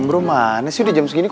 biar dia yang senang